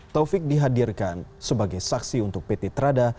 taufik dihadirkan sebagai saksi untuk pt trada